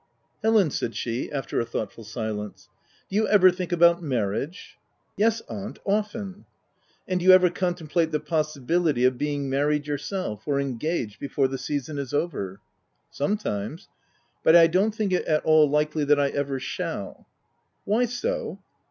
" Helen/* said she, after a thoughtful silence, " do you ever think about marriage ?'* "Yes aunt, often." " And do you ever contemplate the possibility of being married yourself, or engaged, before the season is over?'' " Sometimes ; but I don't think it at all likely that I ever shall." "Why so?"